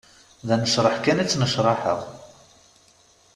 D anecreḥ kan i ttnecraḥeɣ.